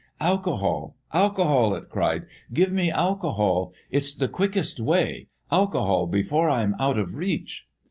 "Alcohol, alcohol!" it cried, "give me alcohol! It's the quickest way. Alcohol, before I'm out of reach!"